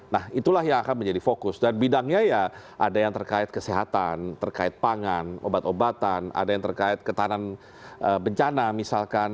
nah itulah yang akan menjadi fokus dan bidangnya ya ada yang terkait kesehatan terkait pangan obat obatan ada yang terkait ketahanan bencana misalkan